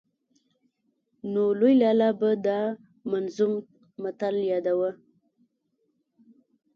نو لوی لالا به دا منظوم متل ياداوه.